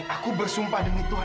aku bersumpah dengan tuhan